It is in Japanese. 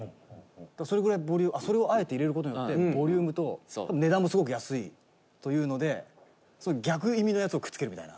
それぐらいボリュームそれをあえて入れる事によってボリュームと値段もすごく安いというのでそういう逆意味のやつをくっつけるみたいな。